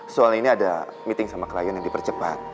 soal ini ada meeting sama klien yang dipercepat